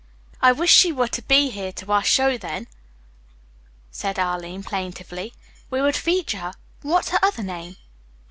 "I wish she were to be here to our show, then," said Arline plaintively. "We would feature her. What's her other name?"